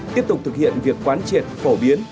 tiếp tục thực hiện việc quán triệt phổ biến